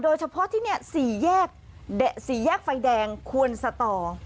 โดยเฉพาะที่เนี้ยสี่แยกสี่แยกไฟแดงควรสต่อ